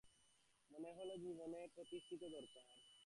মনে হলো, জীবনে প্রতিষ্ঠিত হওয়া দরকার এবং আমার লক্ষ্য হবে সর্বোচ্চ পর্যায়।